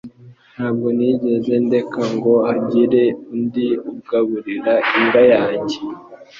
Ntabwo nigeze ndeka ngo hagire undi ugaburira imbwa yanjye.